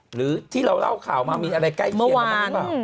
หรือที่เราเล่าข่าวมามีอะไรใกล้เคียงกับมันหรือเปล่า